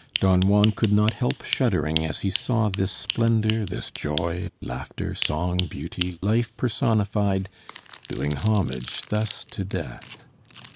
Don Juan could not help shuddering as he saw this splendor, this joy, laughter, song, beauty, life personified, doing homage thus to Death.